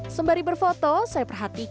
sembari berfoto saya perhatikan